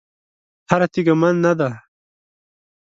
هره تېږه من نه ده.